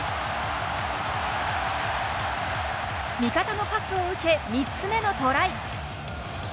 味方のパスを受け３つ目のトライ。